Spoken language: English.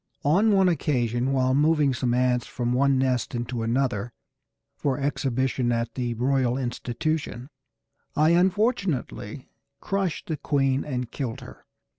On one occasion, while moving some ants from one nest into another for exhibition at the Royal Institution, I unfortunately crushed the queen and killed her.